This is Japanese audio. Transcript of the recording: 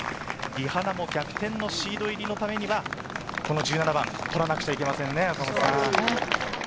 リ・ハナも逆転のシード入りのためには１７番を取らなくてはいけないですね。